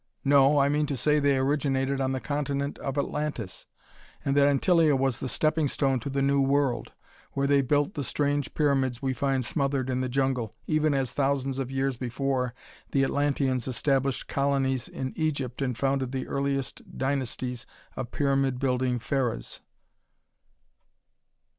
"No, I mean to say they originated on the continent of Atlantis, and that Antillia was the stepping stone to the New World, where they built the strange pyramids we find smothered in the jungle even as thousands of years before the Atlanteans established colonies in Egypt and founded the earliest dynasties of pyramid building Pharaohs."